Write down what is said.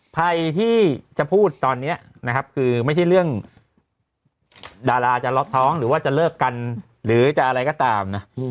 ใครที่จะพูดตอนนี้นะครับคือไม่ใช่เรื่องดาราจะล็อกท้องหรือว่าจะเลิกกันหรือจะอะไรก็ตามนะ